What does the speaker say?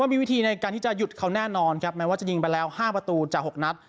มีวิธีในการที่จะหยุดเขาแน่นอนครับแม้ว่าจะยิงไปแล้ว๕ประตูจาก๖นัด